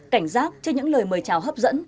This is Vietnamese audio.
cảnh giác cho những lời mời trào hấp dẫn